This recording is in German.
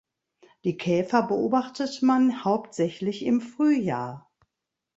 Die Käfer beobachtet man hauptsächlich im Frühjahr.